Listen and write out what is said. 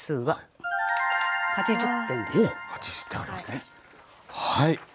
はい。